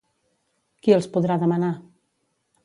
Qui els podrà demanar?